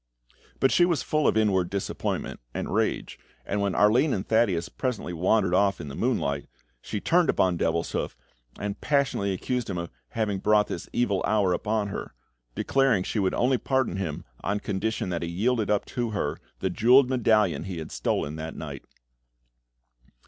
But she was full of inward disappointment and rage, and when Arline and Thaddeus presently wandered off in the moonlight, she turned upon Devilshoof, and passionately accused him of having brought this evil hour upon her, declaring she would only pardon him on condition that he yielded up to her the jewelled medallion he had stolen that night.